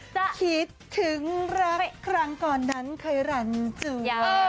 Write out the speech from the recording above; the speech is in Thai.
คิดถึงรักครั้งก่อนนั้นเคยรันจือ